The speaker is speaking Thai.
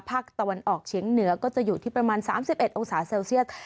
ภาคตะวันออกเฉียงเหนือก็จะอยู่ที่ประมาณ๓๑องศาเซลเซียส